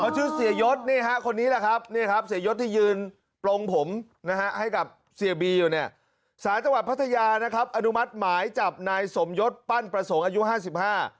ชื่อเสียยศนี่ฮะคนนี้แหละครับเนี่ยครับเสียยศที่ยืนปลงผมนะฮะให้กับเสียบีอยู่เนี่ยสารจังหวัดพัทยานะครับอนุมัติหมายจับนายสมยศปั้นประสงค์อายุห้าสิบห้า